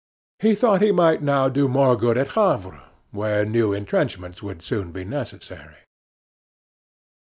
He thought he might now do more good at Havre, where new intrenchments would soon be necessary.